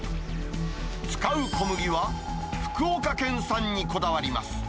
使う小麦は福岡県産にこだわります。